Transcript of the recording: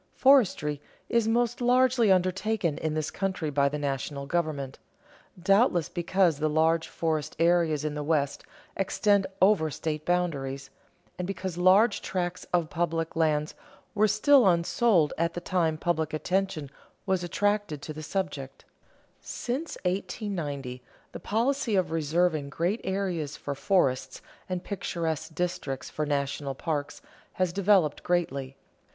Forestry is most largely undertaken in this country by the national government, doubtless because the large forest areas in the West extend over state boundaries, and because large tracts of public lands were still unsold at the time public attention was attracted to the subject. Since 1890, the policy of reserving great areas for forests, and picturesque districts for national parks, has developed greatly.